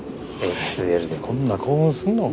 ＳＬでこんな興奮するのか？